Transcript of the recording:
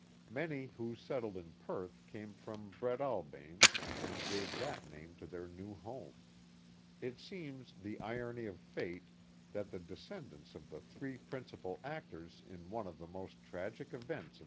Many who settled in Perth came from Breadalbane and gave that name to their new home. It seems " the irony of fate " that the descendants of the three principal actors in one of the most tragic events in.